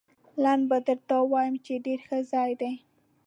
لنډ به درته ووایم، چې ډېر ښه ځای دی.